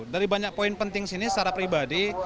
dari banyak poin penting sini secara pribadi